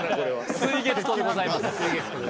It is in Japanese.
水月湖でございます。